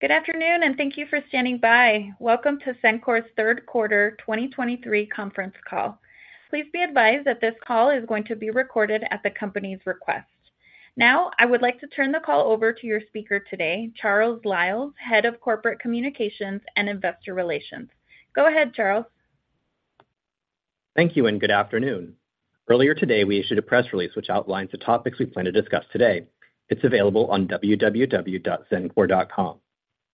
Good afternoon, and thank you for standing by. Welcome to Xencor's third quarter 2023 conference call. Please be advised that this call is going to be recorded at the company's request. Now, I would like to turn the call over to your speaker today, Charles Lyles, Head of Corporate Communications and Investor Relations. Go ahead, Charles. Thank you and good afternoon. Earlier today, we issued a press release which outlines the topics we plan to discuss today. It's available on www.xencor.com.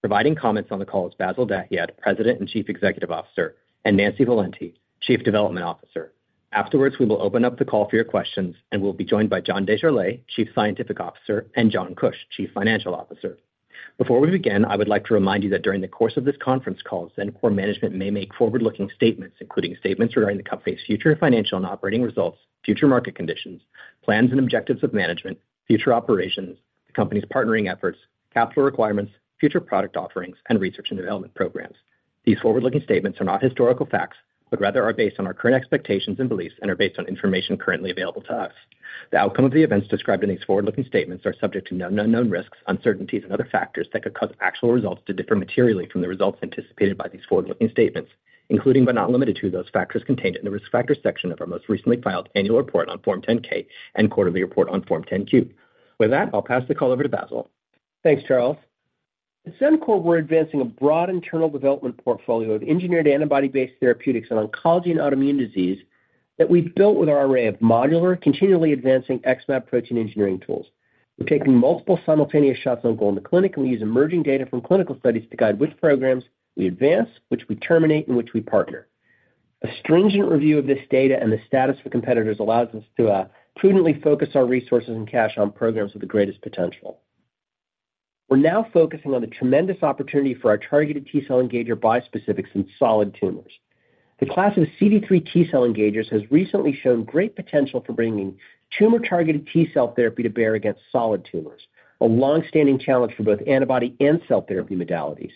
Providing comments on the call is Bassil Dahiyat, President and Chief Executive Officer, and Nancy Valente, Chief Development Officer. Afterwards, we will open up the call for your questions and we'll be joined by John Desjarlais, Chief Scientific Officer, and John Kuch, Chief Financial Officer. Before we begin, I would like to remind you that during the course of this conference call, Xencor management may make forward-looking statements, including statements regarding the company's future financial and operating results, future market conditions, plans and objectives of management, future operations, the company's partnering efforts, capital requirements, future product offerings, and research and development programs. These forward-looking statements are not historical facts, but rather are based on our current expectations and beliefs and are based on information currently available to us. The outcome of the events described in these forward-looking statements are subject to known and unknown risks, uncertainties, and other factors that could cause actual results to differ materially from the results anticipated by these forward-looking statements, including but not limited to those factors contained in the Risk Factors section of our most recently filed annual report on Form 10-K and quarterly report on Form 10-Q. With that, I'll pass the call over to Bassil. Thanks, Charles. We're now focusing on the tremendous opportunity for our targeted T-cell engager bispecifics in solid tumors. The class of CD3 T cell engagers has recently shown great potential for bringing tumor-targeted T cell therapy to bear against solid tumors, a long-standing challenge for both antibody and cell therapy modalities.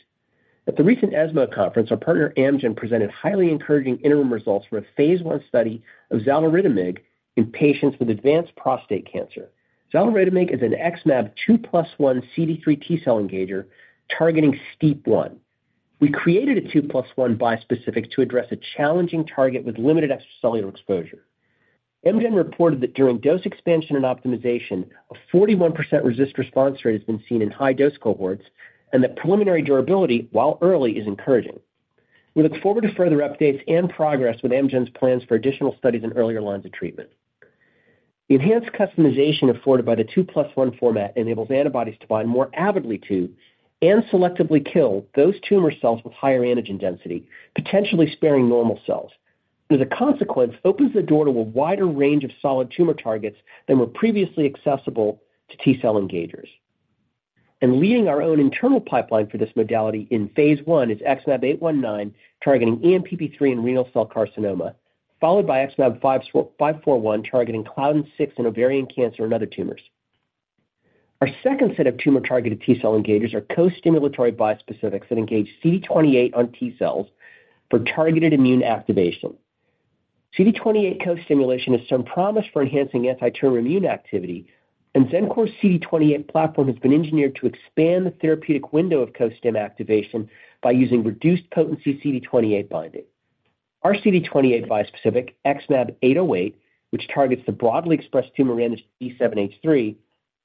At the recent ESMO conference, our partner Amgen presented highly encouraging interim results for a phase I study of xaluritamab in patients with advanced prostate cancer. xaluritamab is an XmAb 2+1 CD3 T cell engager targeting STEAP1. We created a 2+1 bispecific to address a challenging target with limited extracellular exposure. Amgen reported that during dose expansion and optimization, a 41% RECIST response rate has been seen in high dose cohorts, and that preliminary durability, while early, is encouraging. We look forward to further updates and progress with Amgen's plans for additional studies in earlier lines of treatment. The enhanced customization afforded by the 2+1 format enables antibodies to bind more avidly to, and selectively kill, those tumor cells with higher antigen density, potentially sparing normal cells. As a consequence, opens the door to a wider range of solid tumor targets than were previously accessible to T-cell engagers. Leading our own internal pipeline for this modality in phase I is XmAb819, targeting ENPP3 in renal cell carcinoma, followed by XmAb541, targeting claudin 6 in ovarian cancer and other tumors. Our second set of tumor-targeted T-cell engagers are co-stimulatory bispecifics that engage CD28 on T cells for targeted immune activation. CD28 co-stimulation has some promise for enhancing antitumor immune activity, and Xencor's CD28 platform has been engineered to expand the therapeutic window of co-stim activation by using reduced potency CD28 binding. Our CD28 bispecific, XmAb808, which targets the broadly expressed tumor antigen B7-H3,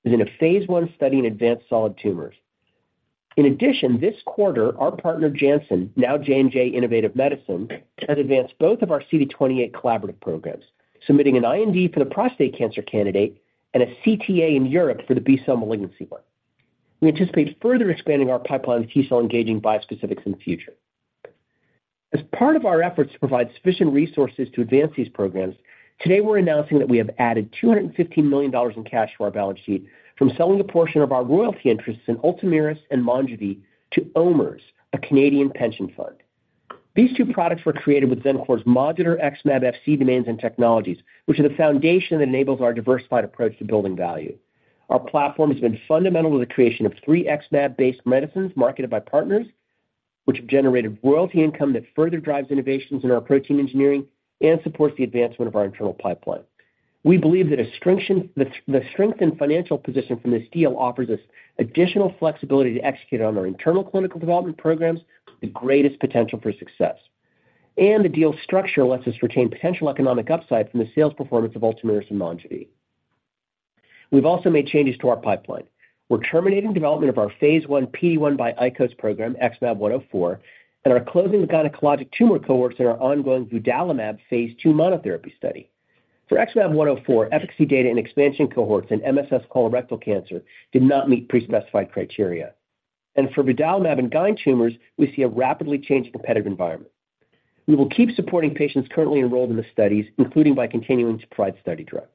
is in a phase I study in advanced solid tumors. In addition, this quarter, our partner, Janssen, now J&J Innovative Medicine, has advanced both of our CD28 collaborative programs, submitting an IND for the prostate cancer candidate and a CTA in Europe for the B-cell malignancy one. We anticipate further expanding our pipeline of T cell-engaging bispecifics in the future. As part of our efforts to provide sufficient resources to advance these programs, today we're announcing that we have added $215 million in cash to our balance sheet from selling a portion of our royalty interests in Ultomiris and Monjuvi to OMERS, a Canadian pension fund. These two products were created with Xencor's modular XmAb Fc domains and technologies, which are the foundation that enables our diversified approach to building value. Our platform has been fundamental to the creation of three XmAb-based medicines marketed by partners, which have generated royalty income that further drives innovations in our protein engineering and supports the advancement of our internal pipeline. We believe that the strengthened financial position from this deal offers us additional flexibility to execute on our internal clinical development programs with the greatest potential for success. The deal structure lets us retain potential economic upside from the sales performance of Ultomiris and Monjuvi. We've also made changes to our pipeline. We're terminating development of our phase I PD-1/ICOS program, XmAb104, and are closing the gynecologic tumor cohorts in our ongoing vudalimab phase II monotherapy study. For XmAb104, efficacy data in expansion cohorts in MSS colorectal cancer did not meet pre-specified criteria. For Boudilimab in GYN tumors, we see a rapidly changing competitive environment. We will keep supporting patients currently enrolled in the studies, including by continuing to provide study drug.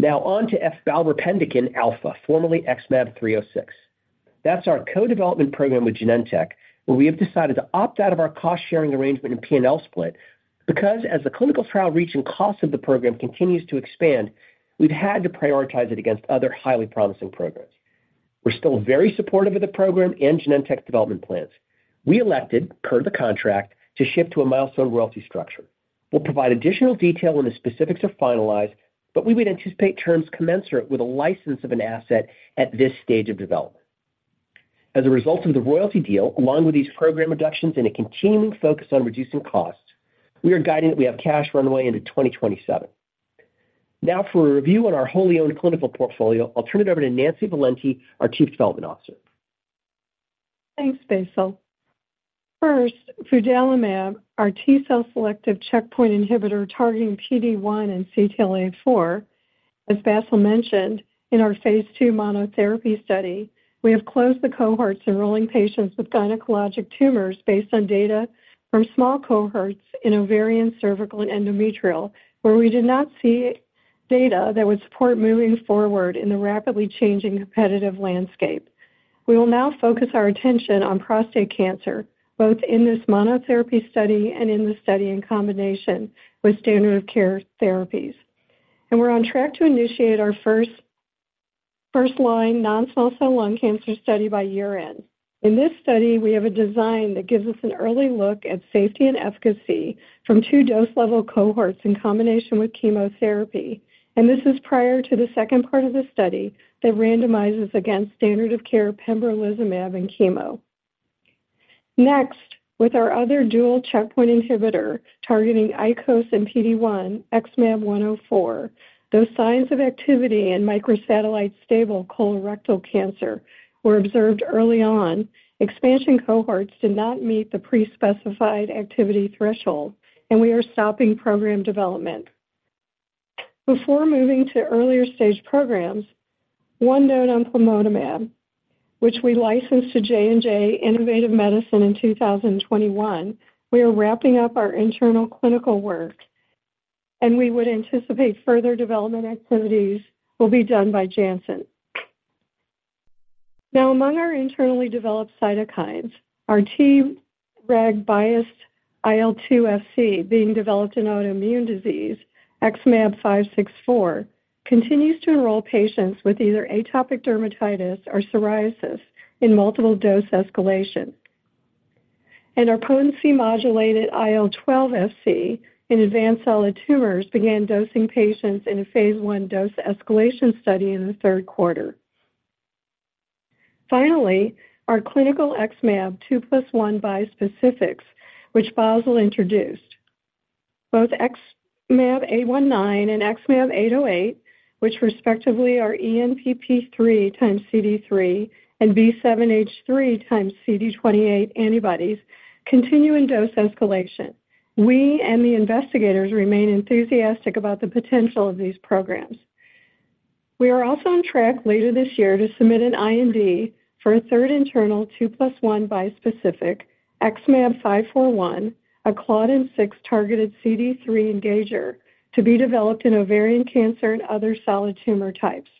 Now on to efbalropendekin alfa, formerly XmAb 306. That's our co-development program with Genentech, where we have decided to opt out of our cost-sharing arrangement and P&L split, because as the clinical trial reach and cost of the program continues to expand, we've had to prioritize it against other highly promising programs. We're still very supportive of the program and Genentech development plans. We elected, per the contract, to shift to a milestone royalty structure. We'll provide additional detail when the specifics are finalized, but we would anticipate terms commensurate with a license of an asset at this stage of development. As a result of the royalty deal, along with these program reductions and a continuing focus on reducing costs, we are guiding that we have cash runway into 2027. Now for a review on our wholly owned clinical portfolio, I'll turn it over to Nancy Valente, our Chief Development Officer. Thanks, Bassil. First, vudalimab, our T-cell selective checkpoint inhibitor targeting PD-1 and CTLA-4. As Bassil mentioned, in our phase II monotherapy study, we have closed the cohorts enrolling patients with gynecologic tumors based on data from small cohorts in ovarian, cervical, and endometrial, where we did not see data that would support moving forward in the rapidly changing competitive landscape. We will now focus our attention on prostate cancer, both in this monotherapy study and in the study in combination with standard of care therapies. We're on track to initiate our first first-line non-small cell lung cancer study by year-end. In this study, we have a design that gives us an early look at safety and efficacy from two dose level cohorts in combination with chemotherapy, and this is prior to the second part of the study that randomizes against standard of care pembrolizumab and chemo. Next, with our other dual checkpoint inhibitor targeting ICOS and PD-1, XmAb104, those signs of activity in microsatellite stable colorectal cancer were observed early on. Expansion cohorts did not meet the pre-specified activity threshold, and we are stopping program development. Before moving to earlier stage programs, one note on plamotamab, which we licensed to J&J Innovative Medicine in 2021. We are wrapping up our internal clinical work, and we would anticipate further development activities will be done by Janssen. Now, among our internally developed cytokines, our Treg-biased IL-2 Fc, being developed in autoimmune disease, XmAb564, continues to enroll patients with either atopic dermatitis or psoriasis in multiple dose escalation. And our potency-modulated IL-12 Fc in advanced solid tumors began dosing patients in a phase I dose escalation study in the third quarter. Finally, our clinical XmAb 2+1 bispecifics, which Bassil introduced, both XmAb819 and XmAb808, which respectively are ENPP3 x CD3 and B7-H3 x CD28 antibodies, continue in dose escalation. We and the investigators remain enthusiastic about the potential of these programs. We are also on track later this year to submit an IND for a third internal 2+1 bispecific, XmAb541, a claudin 6 targeted CD3 engager, to be developed in ovarian cancer and other solid tumor types.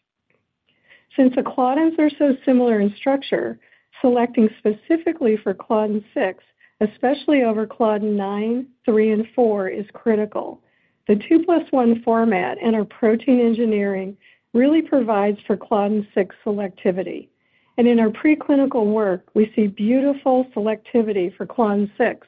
Since the claudins are so similar in structure, selecting specifically for claudin 6, especially over claudin 9, 3, and 4, is critical. The 2+1 format and our protein engineering really provides for claudin 6 selectivity. In our preclinical work, we see beautiful selectivity for claudin 6,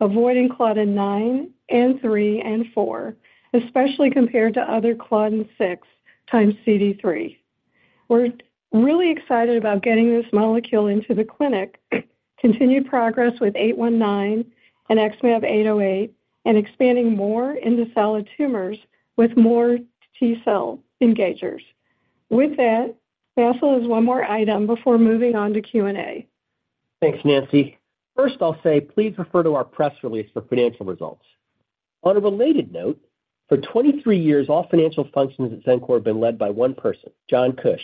avoiding claudin 9 and 3 and 4, especially compared to other claudin 6 x CD3. We're really excited about getting this molecule into the clinic, continue progress with 819 and XmAb808, and expanding more into solid tumors with more T-cell engagers. With that, Bassil has one more item before moving on to Q&A. Thanks, Nancy. First, I'll say please refer to our press release for financial results. On a related note, for 23 years, all financial functions at Xencor have been led by one person, John Kuch,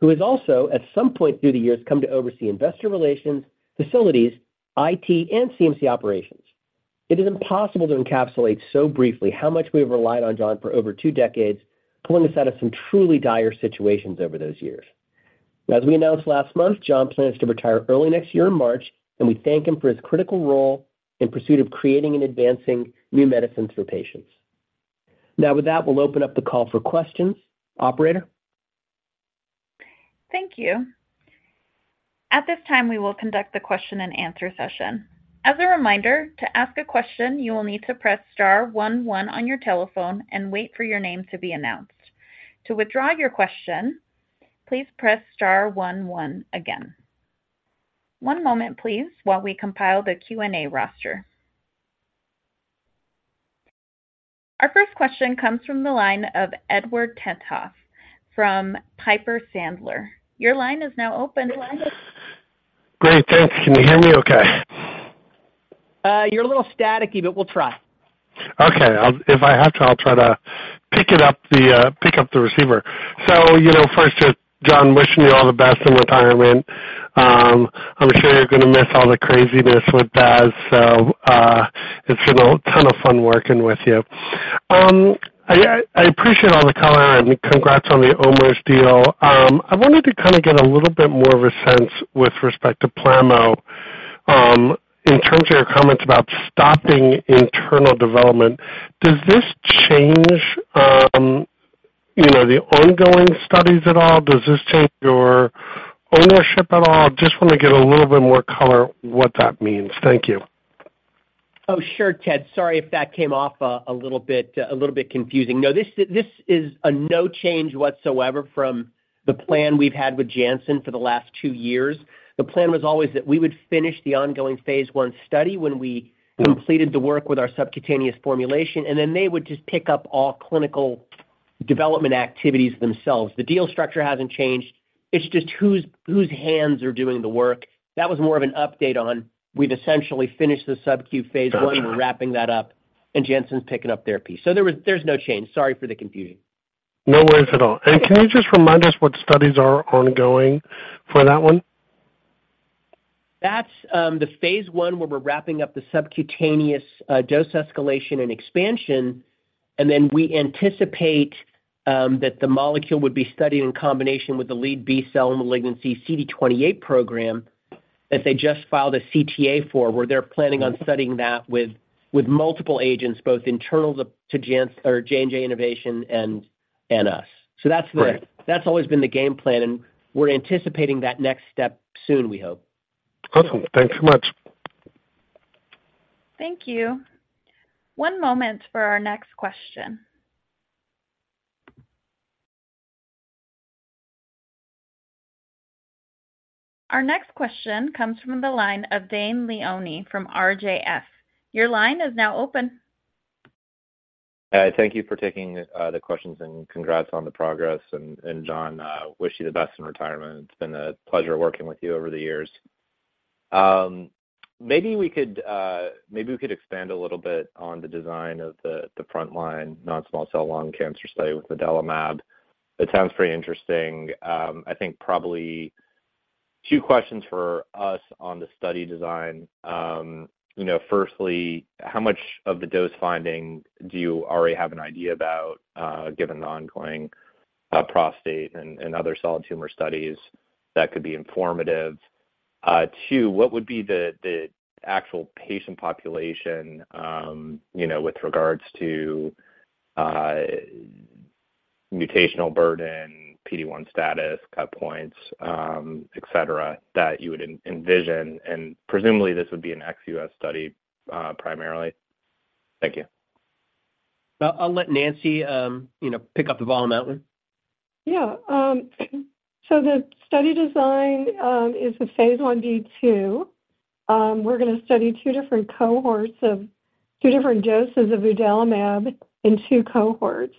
who has also, at some point through the years, come to oversee investor relations, facilities, IT, and CMC operations. It is impossible to encapsulate so briefly how much we have relied on John for over two decades, pulling us out of some truly dire situations over those years. As we announced last month, John plans to retire early next year in March, and we thank him for his critical role in pursuit of creating and advancing new medicines for patients. Now, with that, we'll open up the call for questions. Operator? Thank you. At this time, we will conduct the question-and-answer session. As a reminder, to ask a question, you will need to press star one, one on your telephone and wait for your name to be announced. To withdraw your question, please press star one, one again. One moment, please, while we compile the Q&A roster. Our first question comes from the line of Edward Tenthoff from Piper Sandler. Your line is now open. Great, thanks. Can you hear me okay? You're a little staticky, but we'll try. Okay. If I have to, I'll try to pick up the receiver. So, you know, first, just John, wishing you all the best in retirement. I'm sure you're gonna miss all the craziness with Baz. So, it's been a ton of fun working with you. I appreciate all the color and congrats on the OMERS deal. I wanted to kind of get a little bit more of a sense with respect to Plamo, in terms of your comments about stopping internal development. Does this change...... you know, the ongoing studies at all? Does this change your ownership at all? Just want to get a little bit more color what that means. Thank you. Oh, sure, Ted. Sorry if that came off a little bit, a little bit confusing. No, this is no change whatsoever from the plan we've had with Janssen for the last 2 years. The plan was always that we would finish the ongoing phase I study when we completed the work with our subcutaneous formulation, and then they would just pick up all clinical development activities themselves. The deal structure hasn't changed, it's just whose hands are doing the work. That was more of an update on we've essentially finished the subcu phase I. Got it. We're wrapping that up, and Janssen's picking up their piece. So there's no change. Sorry for the confusion. No worries at all. And can you just remind us what studies are ongoing for that one? That's the phase one, where we're wrapping up the subcutaneous dose escalation and expansion, and then we anticipate that the molecule would be studied in combination with the lead B-cell malignancy CD28 program, that they just filed a CTA for, where they're planning on studying that with multiple agents, both internal to Janssen or J&J Innovative Medicine and us. Great. So that's... That's always been the game plan, and we're anticipating that next step soon, we hope. Awesome. Thanks so much. Thank you. One moment for our next question. Our next question comes from the line of Dane Leone from RJS. Your line is now open. Hi, thank you for taking the questions, and congrats on the progress. John, wish you the best in retirement. It's been a pleasure working with you over the years. Maybe we could expand a little bit on the design of the frontline non-small cell lung cancer study with the vudalimab. It sounds pretty interesting. I think probably two questions for us on the study design. You know, firstly, how much of the dose finding do you already have an idea about, given the ongoing prostate and other solid tumor studies that could be informative? Two, what would be the actual patient population, you know, with regards to mutational burden, PD-1 status, cut points, et cetera, that you would envision, and presumably this would be an ex-US study primarily? Thank you. Well, I'll let Nancy, you know, pick up the ball on that one. Yeah, so the study design is a phase Ib/2. We're gonna study two different cohorts of two different doses of vudalimab in two cohorts,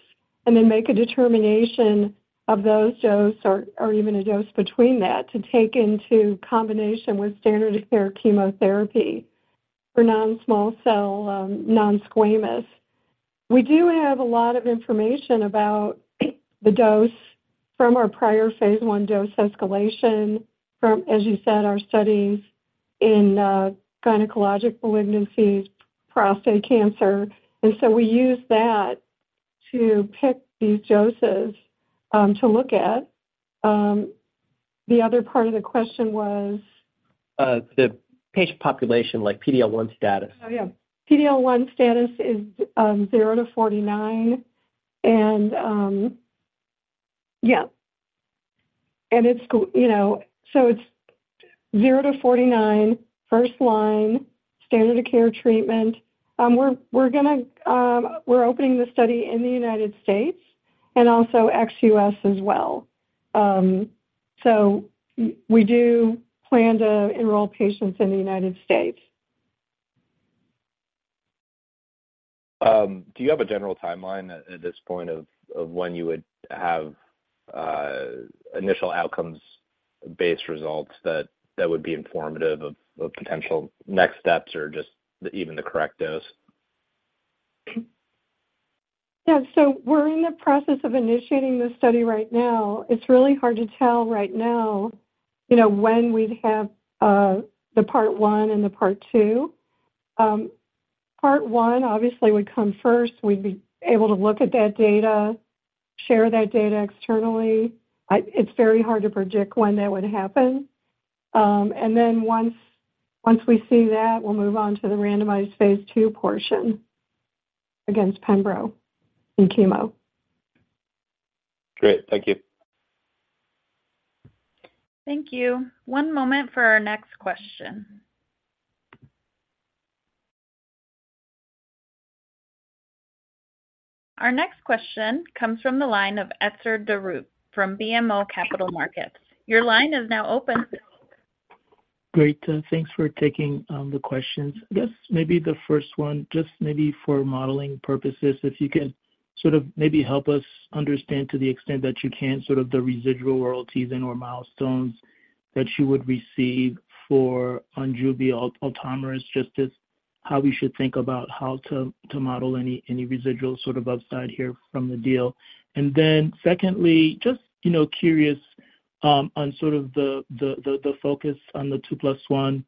and then make a determination of those dose or, or even a dose between that, to take into combination with standard of care chemotherapy for non-small cell non-squamous. We do have a lot of information about the dose from our prior phase I dose escalation, from, as you said, our studies in gynecologic malignancies, prostate cancer. And so we use that to pick these doses to look at. The other part of the question was? The patient population, like PD-L1 status. Oh, yeah. PD-L1 status is 0-49, and, yeah, and it's—you know, so it's 0-49, first-line, standard of care treatment. We're gonna. We're opening the study in the United States and also ex-U.S. as well. So we do plan to enroll patients in the United States. Do you have a general timeline at this point of when you would have initial outcomes-based results that would be informative of potential next steps or just even the correct dose? Yeah. So we're in the process of initiating the study right now. It's really hard to tell right now, you know, when we'd have the part one and the part two. Part one obviously would come first. We'd be able to look at that data, share that data externally. It's very hard to predict when that would happen. And then once, once we see that, we'll move on to the randomized phase two portion against pembro and chemo. Great. Thank you. Thank you. One moment for our next question. Our next question comes from the line of Etzer Darout from BMO Capital Markets. Your line is now open. Great, thanks for taking the questions. I guess maybe the first one, just maybe for modeling purposes, if you could sort of maybe help us understand, to the extent that you can, sort of the residual royalties and/or milestones that you would receive for Monjuvi, just as how we should think about how to model any residual sort of upside here from the deal. And then secondly, just, you know, curious on sort of the focus on the 2+1.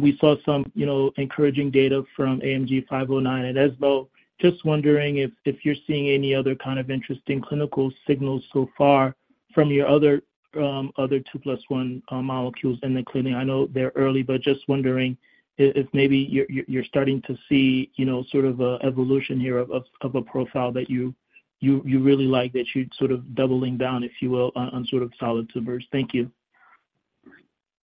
We saw some, you know, encouraging data from AMG 509 at ESMO. Just wondering if you're seeing any other kind of interesting clinical signals so far from your other 2+1 molecules in the clinic? I know they're early, but just wondering if maybe you're starting to see, you know, sort of a evolution here of a profile that you really like, that you're sort of doubling down, if you will, on sort of solid tumors. Thank you.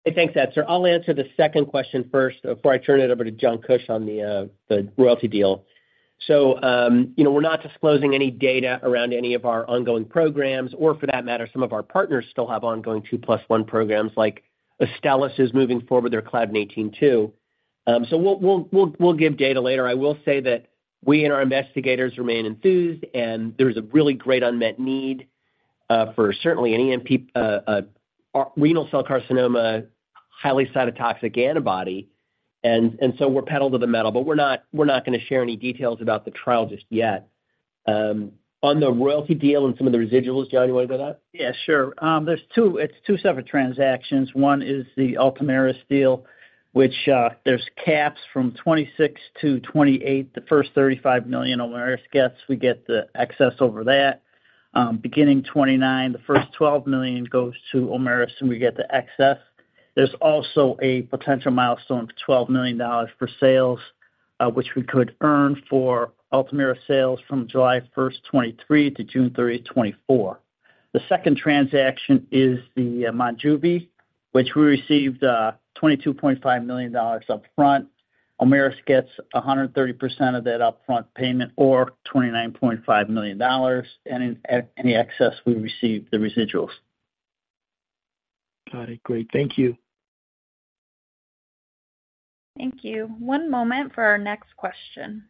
Hey, thanks, Ed. So I'll answer the second question first before I turn it over to John Kuch on the royalty deal. So, you know, we're not disclosing any data around any of our ongoing programs, or for that matter, some of our partners still have ongoing 2+1 programs, like Astellas is moving forward with their claudin 18.2. So we'll give data later. I will say that we and our investigators remain enthused, and there's a really great unmet need for certainly an ENPP3 renal cell carcinoma highly cytotoxic antibody. And so we're pedal to the metal, but we're not gonna share any details about the trial just yet. On the royalty deal and some of the residuals, John, you want to go that? Yeah, sure. There are two separate transactions. One is the Ultomiris deal, which there's caps from 2026-2028. The first $35 million OMERS gets, we get the excess over that. Beginning 2029, the first $12 million goes to OMERS, and we get the excess. There's also a potential milestone of $12 million for sales, which we could earn for Ultomiris sales from July 1, 2023 to June 30, 2024. The second transaction is the Monjuvi, which we received $22.5 million upfront. OMERS gets 130% of that upfront payment, or $29.5 million, and any excess we receive, the residuals. Got it. Great. Thank you. Thank you. One moment for our next question.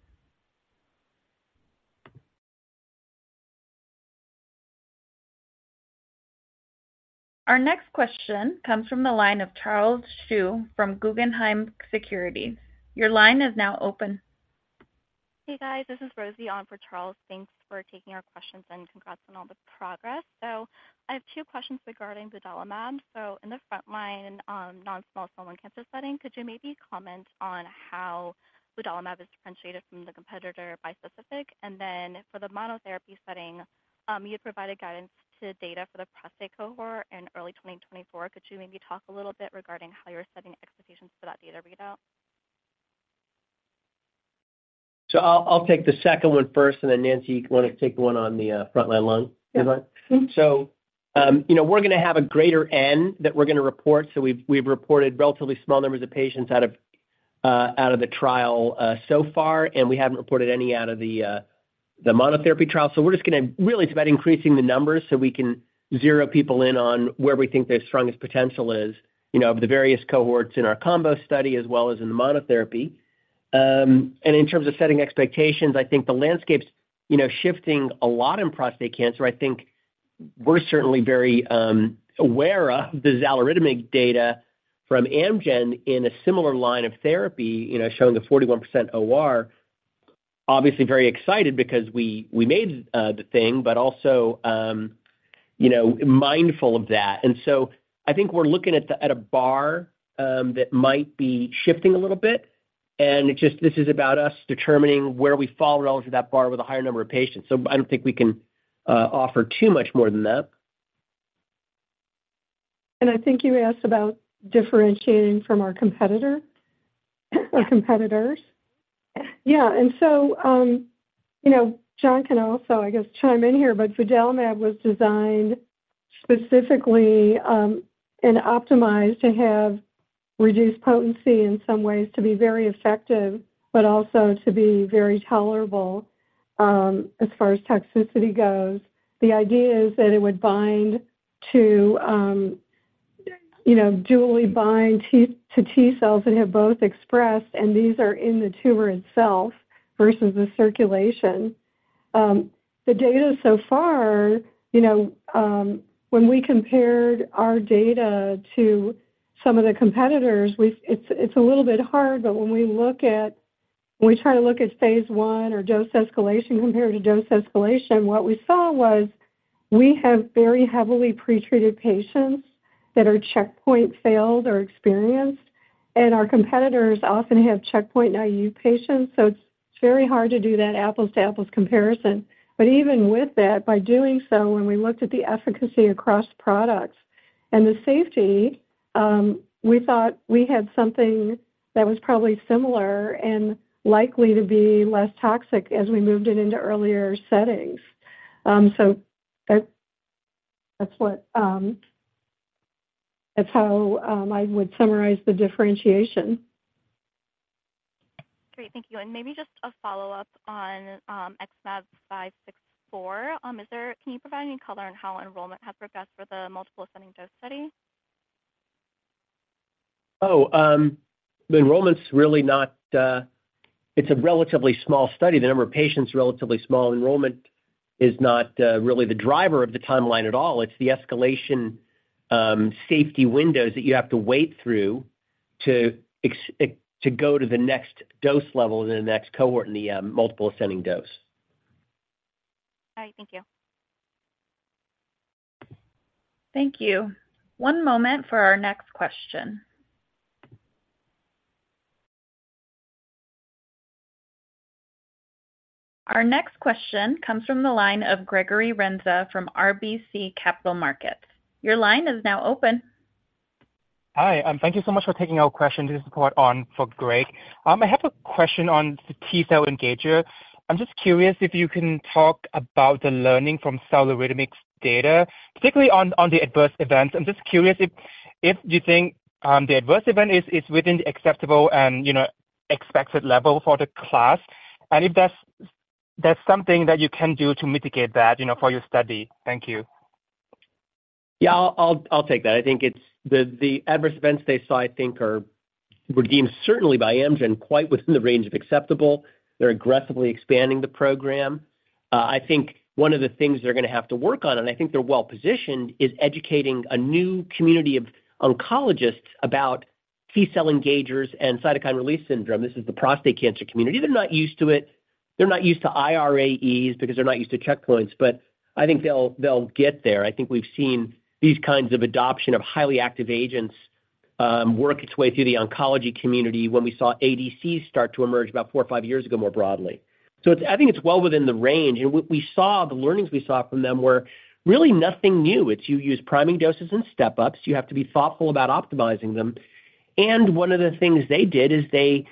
Our next question comes from the line of Charles Shi from Guggenheim Securities. Your line is now open. Hey, guys. This is Rosie on for Charles. Thanks for taking our questions, and congrats on all the progress. I have two questions regarding vudalimab. In the frontline non-small cell lung cancer setting, could you maybe comment on how vudalimab is differentiated from the competitor bispecific? And then for the monotherapy setting, you had provided guidance to data for the prostate cohort in early 2024. Could you maybe talk a little bit regarding how you're setting expectations for that data readout? So I'll take the second one first, and then, Nancy, you want to take the one on the frontline lung? Yeah. So, you know, we're gonna have a greater n that we're gonna report. So we've, we've reported relatively small numbers of patients out of, out of the trial, so far, and we haven't reported any out of the, the monotherapy trial. So we're just gonna really it's about increasing the numbers so we can zero people in on where we think the strongest potential is, you know, of the various cohorts in our combo study, as well as in the monotherapy. And in terms of setting expectations, I think the landscape's, you know, shifting a lot in prostate cancer. I think we're certainly very aware of the xaluritamab data from Amgen in a similar line of therapy, you know, showing a 41% OR. Obviously very excited because we, we made, the thing, but also, you know, mindful of that. I think we're looking at a, at a bar that might be shifting a little bit, and it just this is about us determining where we fall relative to that bar with a higher number of patients. I don't think we can offer too much more than that. I think you asked about differentiating from our competitor? Yeah. Or competitors. Yeah, and so, you know, John can also, I guess, chime in here, but vudalimab was designed specifically, and optimized to have reduced potency in some ways, to be very effective, but also to be very tolerable, as far as toxicity goes. The idea is that it would bind to, you know, dually bind to T cells that have both expressed, and these are in the tumor itself versus the circulation. The data so far, you know, when we compared our data to some of the competitors, we've—it's, it's a little bit hard, but when we look at... When we try to look at phase I or dose escalation compared to dose escalation, what we saw was we have very heavily pretreated patients that are checkpoint failed or experienced, and our competitors often have checkpoint naive patients, so it's very hard to do that apples to apples comparison. But even with that, by doing so, when we looked at the efficacy across products and the safety, we thought we had something that was probably similar and likely to be less toxic as we moved it into earlier settings. So that, that's what, that's how, I would summarize the differentiation. Great. Thank you. And maybe just a follow-up on XmAb564. Can you provide any color on how enrollment has progressed for the multiple ascending dose study? Oh, the enrollment's really not. It's a relatively small study. The number of patients, relatively small. Enrollment is not really the driver of the timeline at all. It's the escalation safety windows that you have to wait through to go to the next dose level and the next cohort in the multiple ascending dose. All right. Thank you. Thank you. One moment for our next question... Our next question comes from the line of Gregory Renza from RBC Capital Markets. Your line is now open. Hi, thank you so much for taking our question. This is [Parth] on for Greg. I have a question on the T-cell engager. I'm just curious if you can talk about the learning from cell rhythmics data, particularly on the adverse events. I'm just curious if you think the adverse event is within the acceptable and, you know, expected level for the class, and if that's something that you can do to mitigate that, you know, for your study. Thank you. Yeah, I'll take that. I think it's the adverse events they saw, I think, were deemed certainly by Amgen, quite within the range of acceptable. They're aggressively expanding the program. I think one of the things they're gonna have to work on, and I think they're well-positioned, is educating a new community of oncologists about T-cell engagers and cytokine release syndrome. This is the prostate cancer community. They're not used to it. They're not used to IRAEs because they're not used to checkpoints, but I think they'll get there. I think we've seen these kinds of adoption of highly active agents work its way through the oncology community when we saw ADCs start to emerge about four or five years ago, more broadly. So it's—I think it's well within the range, and we saw... The learnings we saw from them were really nothing new. It's you use priming doses and step-ups. You have to be thoughtful about optimizing them. And one of the things they did is they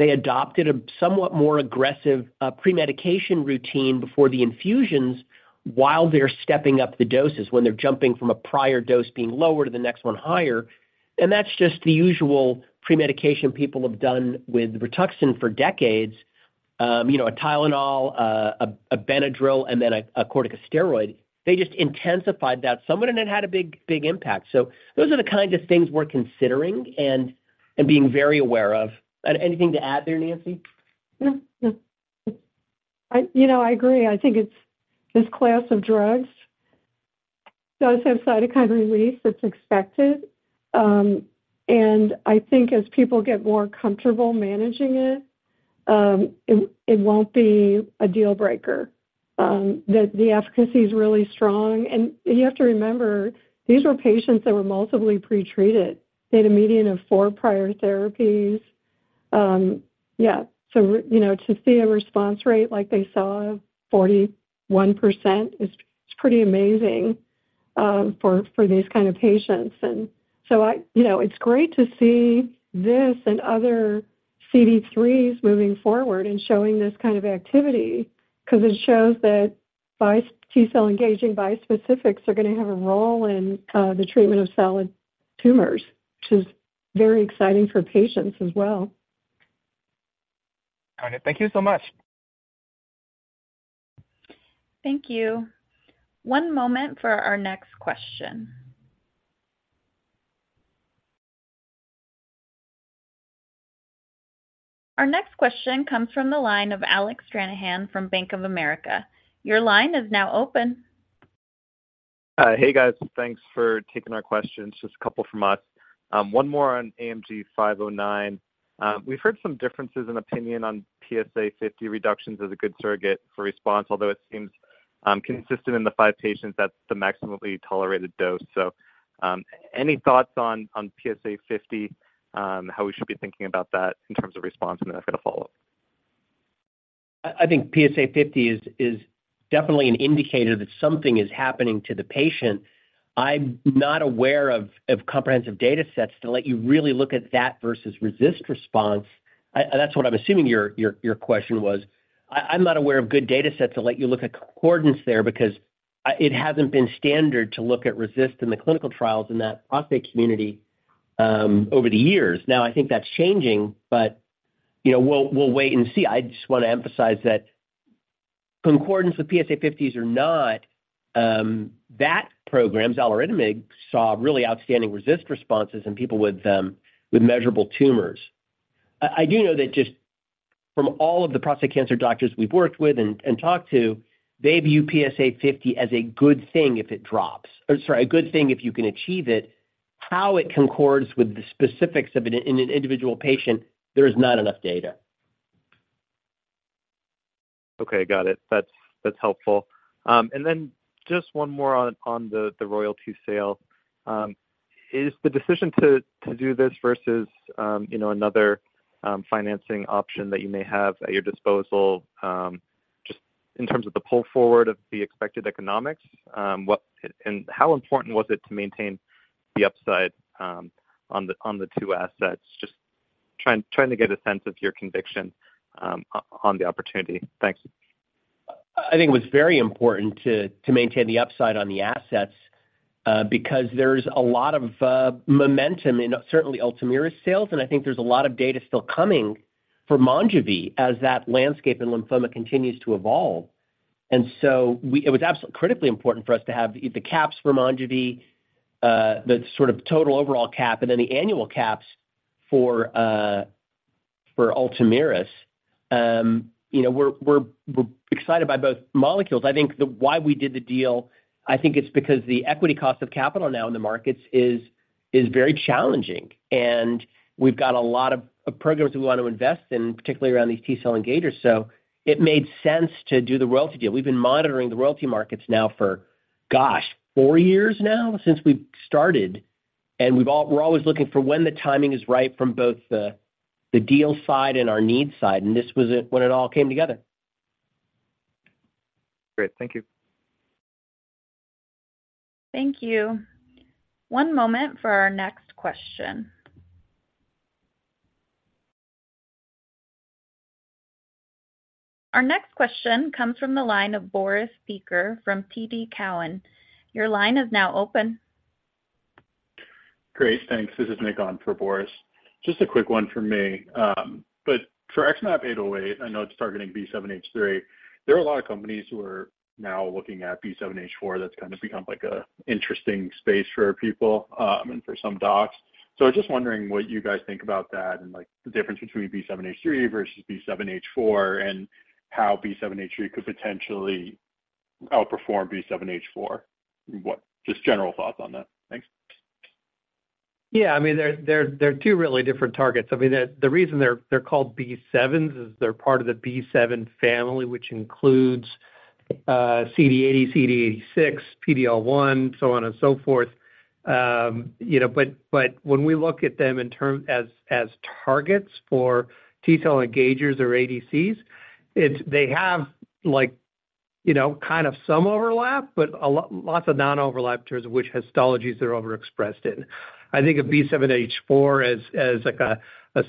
adopted a somewhat more aggressive premedication routine before the infusions, while they're stepping up the doses, when they're jumping from a prior dose being lower to the next one higher. And that's just the usual premedication people have done with Rituxan for decades. You know, a Tylenol, a Benadryl, and then a corticosteroid. They just intensified that somewhat, and it had a big, big impact. So those are the kinds of things we're considering and being very aware of. Anything to add there, Nancy? No, no. You know, I agree. I think it's this class of drugs, does have cytokine release, that's expected. And I think as people get more comfortable managing it, it won't be a deal breaker. The efficacy is really strong, and you have to remember, these were patients that were multiply pretreated. They had a median of four prior therapies. Yeah, so you know, to see a response rate like they saw, 41%, is pretty amazing for these kind of patients. And so, you know, it's great to see this and other CD3s moving forward and showing this kind of activity because it shows that T-cell engaging bispecifics are gonna have a role in the treatment of solid tumors, which is very exciting for patients as well. All right. Thank you so much. Thank you. One moment for our next question. Our next question comes from the line of Alec Stranahan from Bank of America. Your line is now open. Hey, guys. Thanks for taking our questions. Just a couple from us. One more on AMG 509. We've heard some differences in opinion on PSA50 reductions as a good surrogate for response, although it seems consistent in the 5 patients, that's the maximally tolerated dose. Any thoughts on, on PSA50, how we should be thinking about that in terms of response? And then I've got a follow-up. I think PSA 50 is definitely an indicator that something is happening to the patient. I'm not aware of comprehensive datasets to let you really look at that versus RECIST response. That's what I'm assuming your question was. I'm not aware of good datasets to let you look at concordance there because it hasn't been standard to look at RECIST in the clinical trials in that prostate community over the years. Now, I think that's changing, but you know, we'll wait and see. I just want to emphasize that concordance with PSA 50s or not, that program, xaluritamab, saw really outstanding RECIST responses in people with measurable tumors. I do know that just from all of the prostate cancer doctors we've worked with and talked to, they view PSA 50 as a good thing if it drops. Or sorry, a good thing if you can achieve it. How it concords with the specifics of an individual patient, there is not enough data. Okay, got it. That's, that's helpful. And then just one more on, on the, the royalty sale. Is the decision to, to do this versus, you know, another, financing option that you may have at your disposal, just in terms of the pull forward of the expected economics, what... And how important was it to maintain the upside, on the, on the two assets? Just trying, trying to get a sense of your conviction, on the opportunity. Thank you. I think it was very important to maintain the upside on the assets, because there's a lot of momentum in certainly Ultomiris sales, and I think there's a lot of data still coming for Monjuvi as that landscape and lymphoma continues to evolve. And so it was absolutely critically important for us to have the caps for Monjuvi, the sort of total overall cap, and then the annual caps for Ultomiris. You know, we're excited by both molecules. I think the why we did the deal, I think it's because the equity cost of capital now in the markets is very challenging, and we've got a lot of programs we want to invest in, particularly around these T-cell engagers. So it made sense to do the royalty deal. We've been monitoring the royalty markets now for, gosh, four years now, since we started. And we're always looking for when the timing is right from both the deal side and our needs side, and this was it, when it all came together. Great, thank you. Thank you. One moment for our next question. Our next question comes from the line of Boris Peiker from TD Cowen. Your line is now open. Great, thanks. This is Nick on for Boris. Just a quick one from me. But for XmAb808, I know it's targeting B7-H3. There are a lot of companies who are now looking at B7-H4. That's kind of become, like, a interesting space for people, and for some docs. So I was just wondering what you guys think about that, and, like, the difference between B7-H3 versus B7-H4, and how B7-H3 could potentially outperform B7-H4. What? Just general thoughts on that. Thanks. Yeah. I mean, they're two really different targets. I mean, the reason they're called B7s is they're part of the B7 family, which includes CD80, CD86, PD-L1, so on and so forth. You know, but when we look at them in terms as targets for T-cell engagers or ADCs, it's. They have, like, you know, kind of some overlap, but a lot, lots of non-overlap in terms of which histologies they're overexpressed in. I think of B7-H4 as, like, a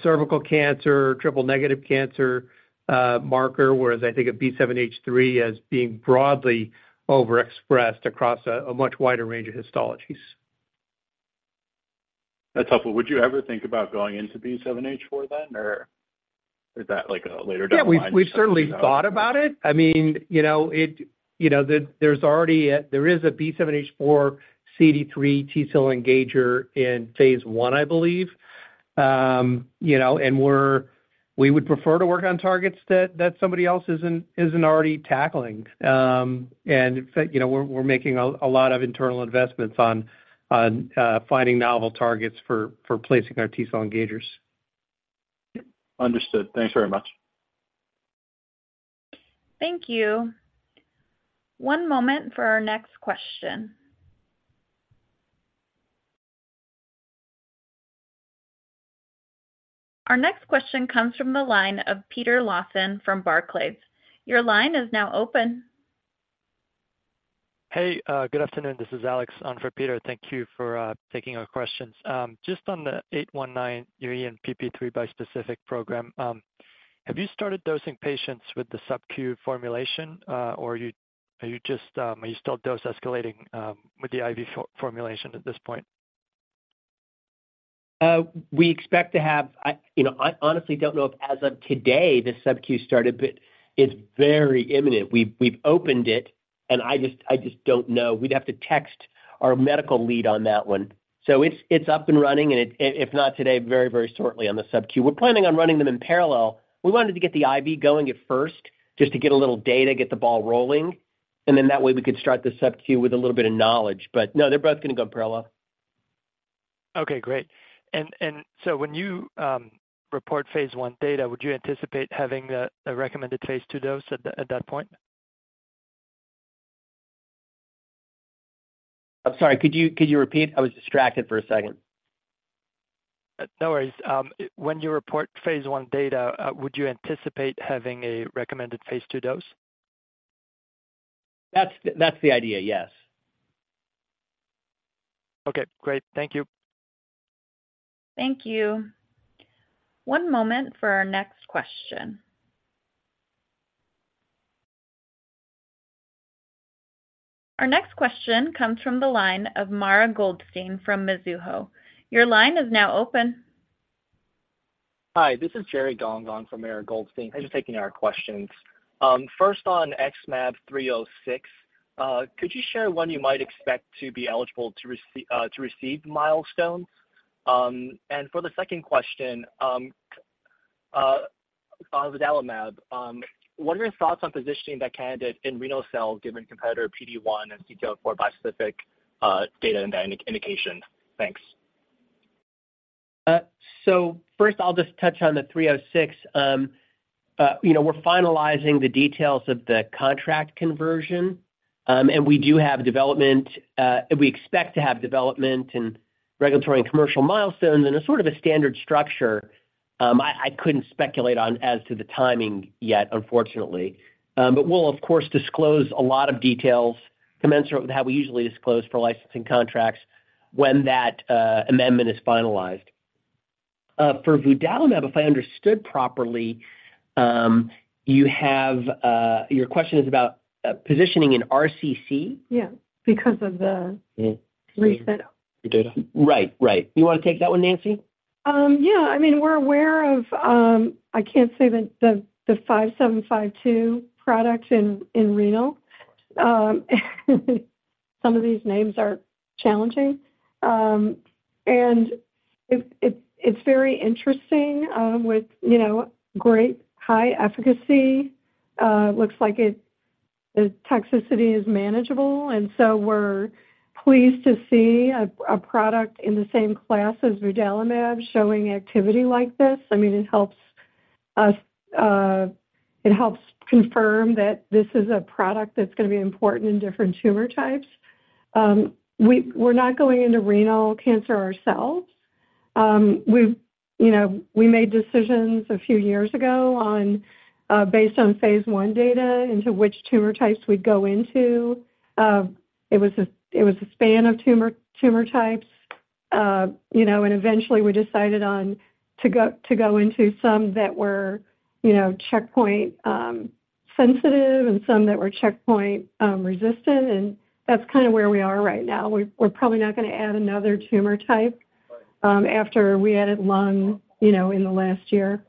cervical cancer, triple-negative cancer marker, whereas I think of B7-H3 as being broadly overexpressed across a much wider range of histologies. That's helpful. Would you ever think about going into B7-H4 then, or is that, like, a later down line? Yeah, we've, we've certainly thought about it. I mean, you know, it, you know, the, there's already a... There is a B7-H4 CD3 T-cell engager in phase one, I believe. You know, and we're—we would prefer to work on targets that, that somebody else isn't, isn't already tackling. And, in fact, you know, we're, we're making a, a lot of internal investments on, on, finding novel targets for, for placing our T-cell engagers. Understood. Thanks very much. Thank you. One moment for our next question. Our next question comes from the line of Peter Lawson from Barclays. Your line is now open. Hey, good afternoon. This is Alex on for Peter. Thank you for taking our questions. Just on the 819 ENPP3 bispecific program, have you started dosing patients with the subQ formulation, or are you just are you still dose escalating with the IV formulation at this point? We expect to have... I, you know, I honestly don't know if as of today, the subQ started, but it's very imminent. We've opened it, and I just don't know. We'd have to text our medical lead on that one. So it's up and running, and if not today, very, very shortly on the subQ. We're planning on running them in parallel. We wanted to get the IV going at first, just to get a little data, get the ball rolling, and then that way we could start the subQ with a little bit of knowledge. But no, they're both gonna go parallel. Okay, great. So when you report phase I data, would you anticipate having the recommended phase II dose at that point? I'm sorry, could you repeat? I was distracted for a second. No worries. When you report phase I data, would you anticipate having a recommended phase II dose? That's the, that's the idea, yes. Okay, great. Thank you. Thank you. One moment for our next question. Our next question comes from the line of Mara Goldstein from Mizuho. Your line is now open. Hi, this is Jerry Gong on for Mara Goldstein. Hi, Jerry. Thanks for taking our questions. First, on XmAb 306, could you share when you might expect to be eligible to receive milestones? For the second question, vudalimab, what are your thoughts on positioning that candidate in renal cell, given competitor PD-1 and T cell bispecific data in that indication? Thanks. So first, I'll just touch on the 306. You know, we're finalizing the details of the contract conversion, and we do have development, we expect to have development and regulatory and commercial milestones in a sort of a standard structure. I couldn't speculate as to the timing yet, unfortunately. But we'll, of course, disclose a lot of details commensurate with how we usually disclose for licensing contracts when that amendment is finalized. For vudalimab, if I understood properly, you have... Your question is about positioning in RCC? Yeah, because of the- Mm-hmm... recent. The data? Right, right. You wanna take that one, Nancy? Yeah. I mean, we're aware of, I can't say the 5752 product in renal. Some of these names are challenging. It's very interesting, with, you know, great high efficacy. It looks like the toxicity is manageable, and so we're pleased to see a product in the same class as vudalimab showing activity like this. I mean, it helps confirm that this is a product that's going to be important in different tumor types. We're not going into renal cancer ourselves. We, you know, we made decisions a few years ago on based on phase I data into which tumor types we'd go into. It was a span of tumor types. You know, and eventually we decided on to go into some that were, you know, checkpoint sensitive and some that were checkpoint resistant, and that's kind of where we are right now. We're probably not gonna add another tumor type after we added lung, you know, in the last year.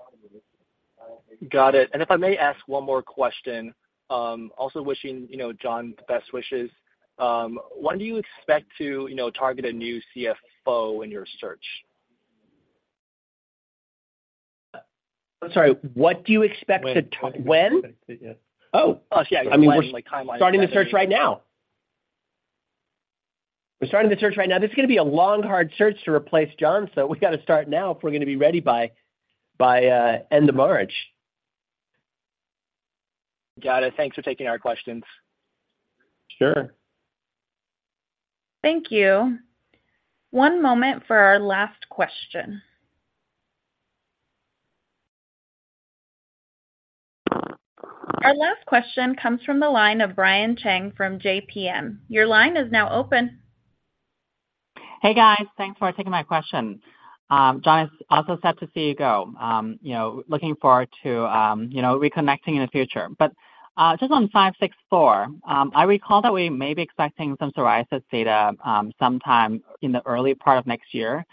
Got it. And if I may ask one more question, also wishing, you know, John the best wishes. When do you expect to, you know, target a new CFO in your search? I'm sorry, what do you expect to- When. When? Yes. Oh, yeah. I mean, we're starting the search right now. We're starting the search right now. This is gonna be a long, hard search to replace John, so we've got to start now if we're gonna be ready by, by, end of March. Got it. Thanks for taking our questions. Sure. Thank you. One moment for our last question. Our last question comes from the line of Brian Cheng from JPM. Your line is now open. Hey, guys. Thanks for taking my question. John, it's also sad to see you go, you know, looking forward to, you know, reconnecting in the future. But, just on 564, I recall that we may be expecting some psoriasis data, sometime in the early part of next year.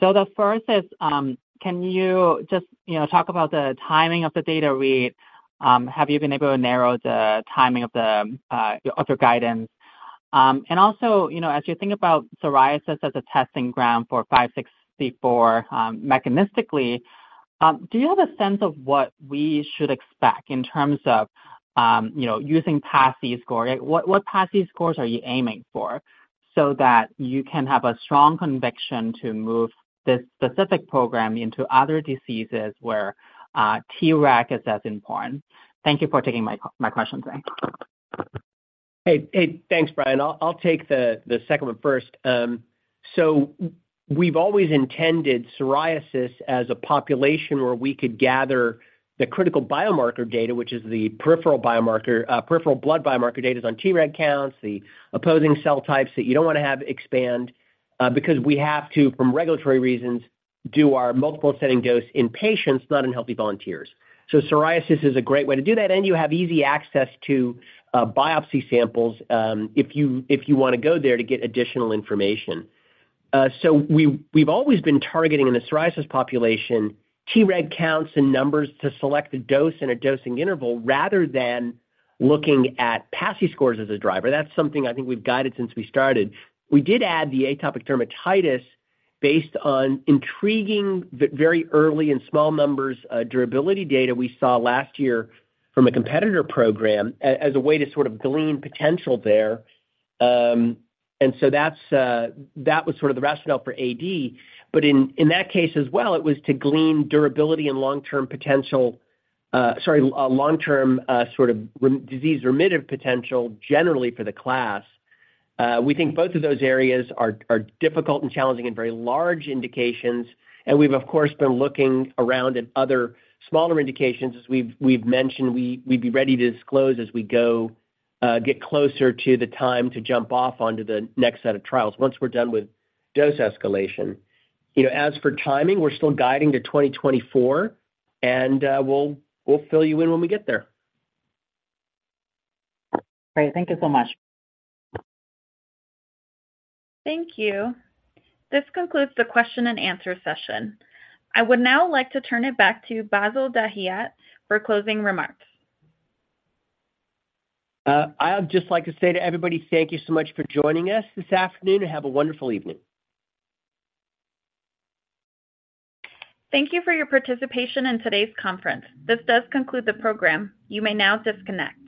So the first is, can you just, you know, talk about the timing of the data read? Have you been able to narrow the timing of the, of your guidance? And also, you know, as you think about psoriasis as a testing ground for 564, mechanistically, do you have a sense of what we should expect in terms of, you know, using PASI score? What PASI scores are you aiming for so that you can have a strong conviction to move this specific program into other diseases where Treg is as important? Thank you for taking my questions. Hey, hey, thanks, Brian. I'll take the second one first. So we've always intended psoriasis as a population where we could gather the critical biomarker data, which is the peripheral biomarker, peripheral blood biomarker data on Treg counts, the opposing cell types that you don't want to have expand, because we have to, from regulatory reasons, do our multiple ascending dose in patients, not in healthy volunteers. So psoriasis is a great way to do that, and you have easy access to biopsy samples, if you want to go there to get additional information. So we've always been targeting in the psoriasis population, Treg counts and numbers to select a dose and a dosing interval, rather than looking at PASI scores as a driver. That's something I think we've guided since we started. We did add the atopic dermatitis based on intriguing, but very early in small numbers, durability data we saw last year from a competitor program as a way to sort of glean potential there. And so that's, that was sort of the rationale for AD, but in, in that case as well, it was to glean durability and long-term potential, sorry, a long-term, sort of disease remitative potential generally for the class. We think both of those areas are difficult and challenging and very large indications, and we've, of course, been looking around at other smaller indications. As we've, we've mentioned, we'd be ready to disclose as we go, get closer to the time to jump off onto the next set of trials once we're done with dose escalation. You know, as for timing, we're still guiding to 2024, and we'll fill you in when we get there. Great. Thank you so much. Thank you. This concludes the question and answer session. I would now like to turn it back to Bassil Dahiyat for closing remarks. I would just like to say to everybody, thank you so much for joining us this afternoon, and have a wonderful evening. Thank you for your participation in today's conference. This does conclude the program. You may now disconnect.